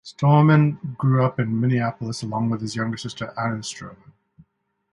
Stormoen grew up in Minneapolis along with his younger sister Anna Stormoen.